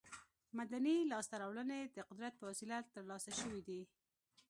مدني لاسته راوړنې د قدرت په وسیله تر لاسه شوې دي.